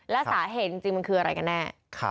แล้วสาเหตุจริงมันคืออะไรกันแน่